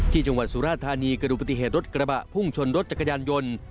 ที่จังหวัดสุราธารณีเกิดดูปฏิเหตุรถกระบะพุ่งชนรถจักรยานยนต์